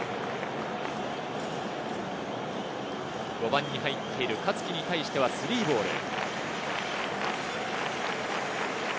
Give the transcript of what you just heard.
５番に入っている香月に対しては３ボール。